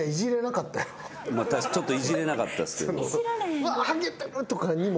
ちょっといじれなかったですけど。